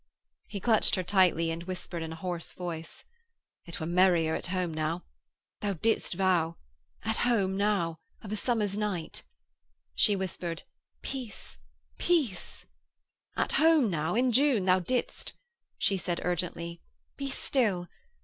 He clutched her tightly and whispered in a hoarse voice: 'It were merrier at home now. Thou didst vow. At home now. Of a summer's night....' She whispered: 'Peace. Peace.' 'At home now. In June, thou didst....' She said urgently: 'Be still.